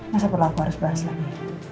masa perlu aku harus bahas lagi